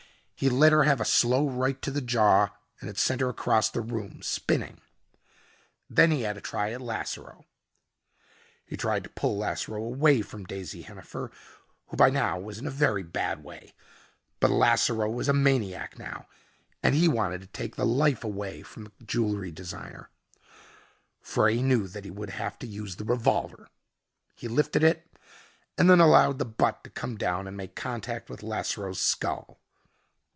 He let her have a slow right to the jaw and it sent her across the room, spinning. Then he had a try at Lasseroe. He tried to pull Lasseroe away from Daisy Hennifer, who by now was in a very bad way. But Lasseroe was a maniac now and he wanted to take the life away from the jewelry designer. Frey knew that he would have to use the revolver. He lifted it and then allowed the butt to come down and make contact with Lasseroe's skull.